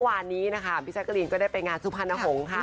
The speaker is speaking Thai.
วันนี้นะคะพี่แจ๊กรีนก็ได้ไปงานสุพรรณหงษ์ค่ะ